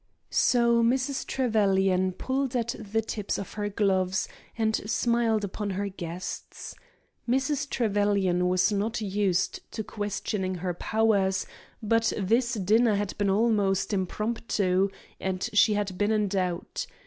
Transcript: So Mrs. Trevelyan pulled at the tips of her gloves and smiled upon her guests. Mrs. Trevelyan was not used to questioning her powers, but this dinner had been almost impromptu, and she had been in doubt.